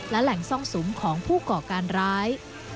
และแหล่งซ่องสุมของผู้ก่อการร้าย